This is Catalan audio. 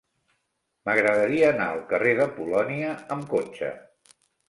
M'agradaria anar al carrer de Polònia amb cotxe.